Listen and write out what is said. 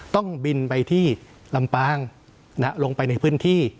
ต้องบินไปที่ลำปางลงไปในพื้นที่